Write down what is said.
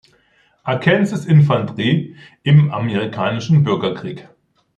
Kansas Infanterie im Amerikanischen Bürgerkrieg.